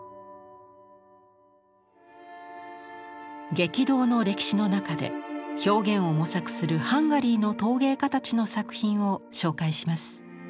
激動の歴史の中で表現を模索するハンガリーの陶芸家たちの作品を紹介します。